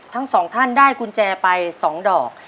ทั้งสองท่านได้กุญแจไป๒ดอก